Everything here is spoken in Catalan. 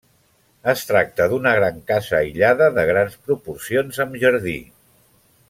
Es tracta d'una gran casa aïllada de grans proporcions amb jardí.